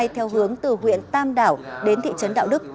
theo hướng từ huyện tam đảo đến thị trấn đạo đức